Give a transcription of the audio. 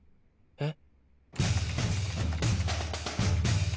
えっ！